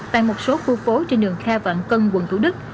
tại một số khu phố trên đường khe vạn cân quận thủ đức